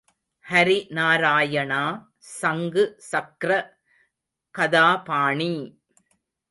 ஹரி நாராயணா! சங்கு சக்ர கதாபாணி!